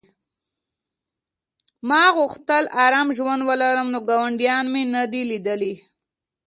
ما غوښتل ارام ژوند ولرم نو ګاونډیان مې نه دي لیدلي